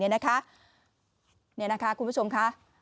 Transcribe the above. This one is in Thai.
นี่นะคะคุณผู้ชมค่ะ